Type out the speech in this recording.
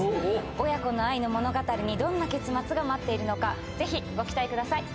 親子の愛の物語にどんな結末が待っているのかぜひご期待ください